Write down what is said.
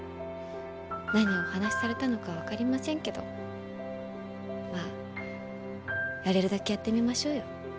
何をお話しされたのか分かりませんけどまあやれるだけやってみましょうよ。